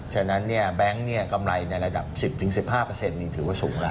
ฉะนั้นแบงค์กำไรในระดับ๑๐๑๕นี่ถือว่าสูงแล้ว